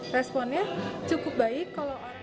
responnya cukup baik